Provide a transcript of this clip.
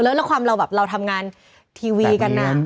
แล้วความเราแบบเราทำงานทีวีกันน่ะ